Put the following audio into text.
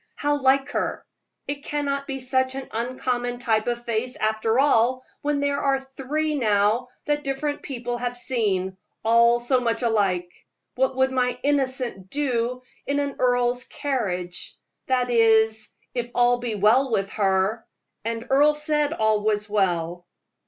How like her! It cannot be such an uncommon type of face, after all, when there are three now that different people have seen all so much alike. What would my 'Innocent' do in an earl's carriage? that is, if all be well with her; and Earle said all was well."